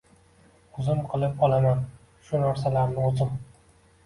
O‘zim qilib olaman shu narsalarni, o‘zim.